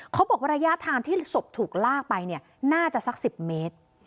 เขาบอกว่าระยะทางที่ศพถูกลากไปเนี่ยน่าจะสัก๑๐เมตร